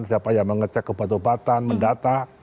siapa yang mengecek kebata bataan mendata